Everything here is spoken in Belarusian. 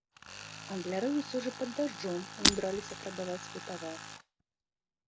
Гандляры ўсё ж і пад дажджом умудраліся прадаваць свой тавар.